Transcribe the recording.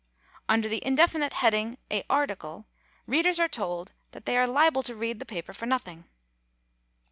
Under the indefinite heading "A Article," readers are told "that they are liable to read the paper for nothing."